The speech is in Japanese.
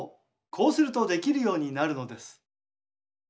こうするとできるようになるのです。